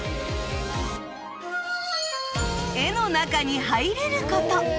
絵の中に入れる事